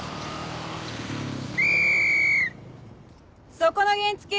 そこの原付！